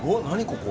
ここ。